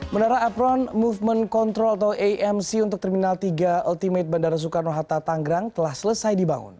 menara apron movement control atau amc untuk terminal tiga ultimate bandara soekarno hatta tanggerang telah selesai dibangun